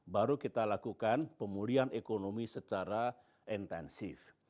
baru kita lakukan pemulihan ekonomi secara intensif